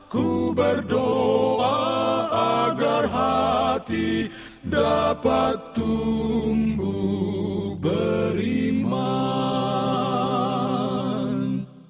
ku berdoa agar hati dapat tumbuh beriman